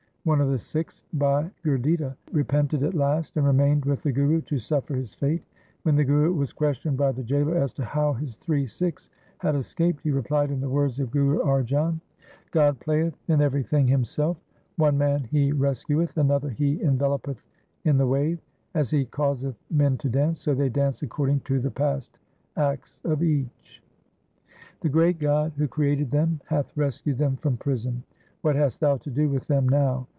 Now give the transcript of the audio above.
1 One of the Sikhs, Bhai Gurditta, repented at last and remained with the Guru to suffer his fate. When the Guru was questioned by the jailor as to how his three Sikhs had escaped, he replied in the words of Guru Arjan :—' God playeth in everything Himself ; One man He rescueth, another He envelopeth in the wave ; As He causeth men to dance, so they dance according to the past acts of each. 2 1 Suraj Parkash, Ras XI, Chap. 55. 3 Maru. LIFE OF GURU TEG BAHADUR 383 ' The great God who created them hath rescued them from prison. What hast thou to do with them now